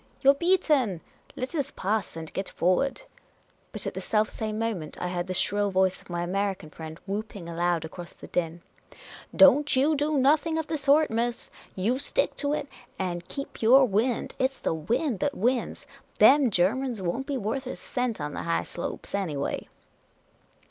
You 're beaten ! I,et us pass and get forward !" But at the self same moment, I heard the shrill voice of my American friend whooping aloud across the din :" Don't you do no thing of the sort, miss ! You stick to it, and keep your wind ! It 's the wind that wins ! Them Germans won't be worth a cent on the high slopes, anyway